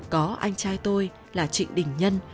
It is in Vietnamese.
có anh trai tôi là trịnh đình nhân